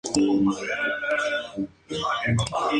Las letras iniciales están escritas en rojo.